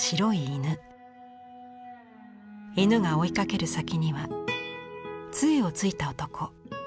犬が追いかける先にはつえを突いた男。